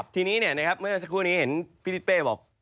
ทีนี้เมื่อสักครู่นี้เห็นพี่ทิศเป้บอก